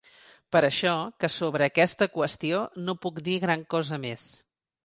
Per això que sobre aquesta qüestió no puc dir gran cosa més.